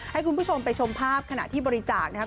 ให้คุณผู้ชมไปชมภาพขณะที่บริจาคนะครับ